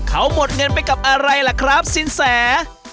เขาหมดเงินไปกับอะไรล่ะครับสินแส